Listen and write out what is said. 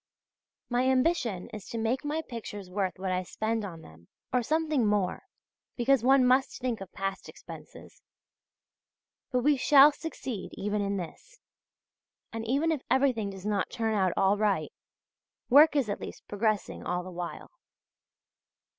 My ambition is to make my pictures worth what I spend on them; or something more, because one must think of past expenses. But we shall succeed even in this; and even if everything does not turn out all right, work is at least progressing all the while.